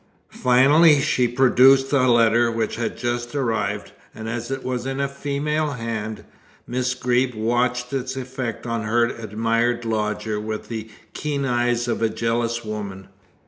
Finally she produced a letter which had just arrived, and as it was in a female hand, Miss Greeb watched its effect on her admired lodger with the keen eyes of a jealous woman.